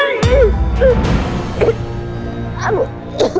aduh ya allah